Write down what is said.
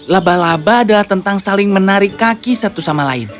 laba laba adalah tentang saling menarik kaki satu sama lain